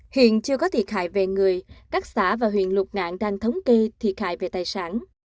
hiện chưa có thiệt hại về người các xã và huyện lục ngạn đang thống kê thiệt hại về tài sản